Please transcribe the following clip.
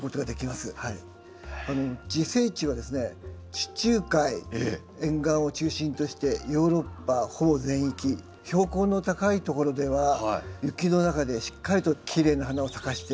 地中海沿岸を中心としてヨーロッパほぼ全域標高の高いところでは雪の中でしっかりときれいな花を咲かしてくれております。